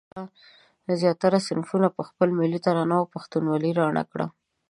ده د ولسي نظم زیاتره صنفونه په خپلو ملي ترانو او پښتونوالې راڼه کړه.